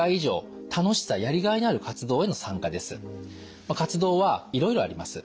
３つ目に活動はいろいろあります。